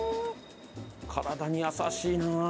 体に優しいな。